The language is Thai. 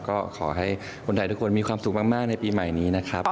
ก็ขอให้คนไทยทุกคนมีความสุขมากในปีใหม่นี้นะครับ